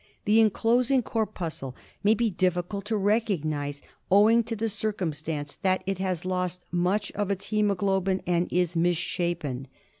The enclosing corpuscle may be difhcuh to recognise, owing to the circumstance that it has lost much of its hjemoglobin and is misshapen.